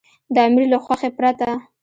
د امیر له خوښې پرته.